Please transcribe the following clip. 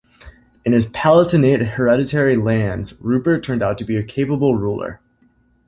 In his Palatinate hereditary lands, Rupert turned out to be a capable ruler.